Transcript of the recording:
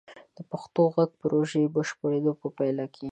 د پښتو غږ پروژې بشپړیدو په پایله کې: